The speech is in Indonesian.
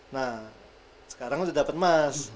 nah sekarang udah dapet emas